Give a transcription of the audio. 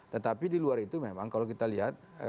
tetapi di luar itu memang kalau kita lihat